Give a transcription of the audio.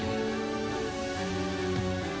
mamang tidak akan pernah kesini lagi